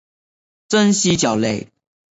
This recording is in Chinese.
真蜥脚类。